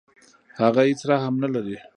هغه هیڅ رحم نه لري.